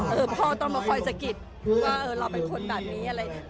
พ่อต้องมาคอยสะกิดว่าเราเป็นคนแบบนี้อะไร